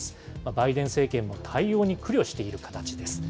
バイデン政権も対応に苦慮している形です。